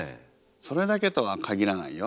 それだけとは限らないよ。